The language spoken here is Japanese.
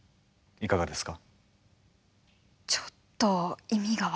いかがですか？